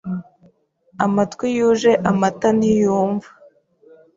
Amatwi yuje amata ntiyumva